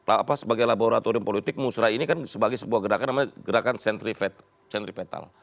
apa sebagai laboratorium politik musrah ini kan sebagai sebuah gerakan namanya gerakan sentripetal